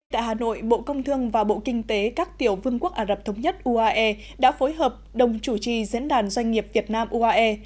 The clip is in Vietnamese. tại hà nội bộ công thương và bộ kinh tế các tiểu vương quốc ả rập thống nhất uae đã phối hợp đồng chủ trì diễn đàn doanh nghiệp việt nam uae